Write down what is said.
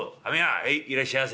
「へいいらっしゃいませ。